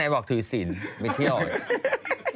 ไหนบอกถือสินไปเที่ยวอีก